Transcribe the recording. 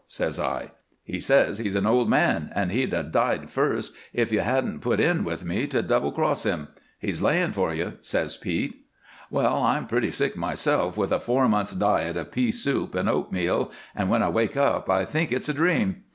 says I. "'He says he's an old man, and he'd 'a' died first if you hadn't put in with me to double cross him. He's laying for you,' says Pete. "Well, I'm pretty sick myself, with a four months' diet of pea soup and oatmeal, and when I wake up I think it's a dream.